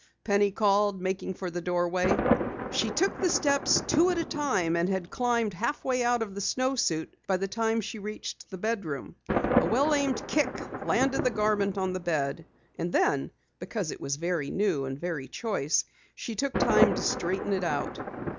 Penny called, making for the stairway. She took the steps two at a time and had climbed halfway out of the snowsuit by the time she reached the bedroom. A well aimed kick landed the garment on the bed, and then because it was very new and very choice she took time to straighten it out.